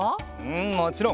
うんもちろん！